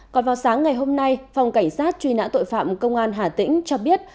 còn vào sáng ngày hôm nay phòng cảnh sát truy nã tội phạm công an hà tĩnh cho biết